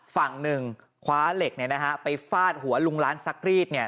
ฝั่งหนึ่งคว้าเหล็กไปฟาดหัวรุงร้านซักรีดเนี่ย